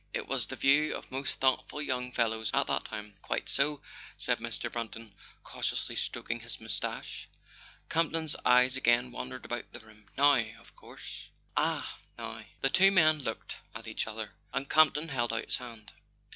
It was the view of most thoughtful young fellows at that time. ,, "Quite so," said Mr. Brant, cautiously stroking his moustache. Camp ton's eyes again wandered about the room. "Now, of course " "Ah— now. . The two men looked at each other, and Campton held out his hand.